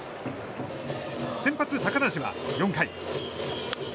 先発、高梨は４回。